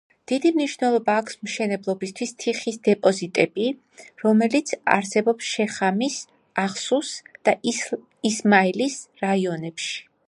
დიდი მნიშვნელობა აქვს მშენებლობისთვის თიხის დეპოზიტები, რომელიც არსებობს შემახის, აღსუს და ისმაილის რაიონებში.